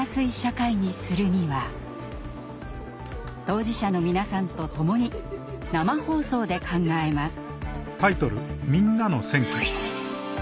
当事者の皆さんとともに生放送で考えます。